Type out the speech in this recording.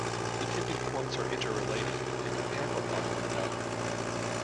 The tipping points are interrelated, and could amplify one another.